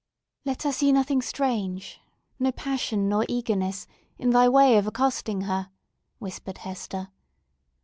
"Let her see nothing strange—no passion or eagerness—in thy way of accosting her," whispered Hester.